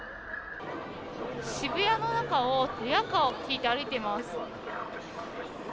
渋谷の中を、リヤカーを引いて歩いています。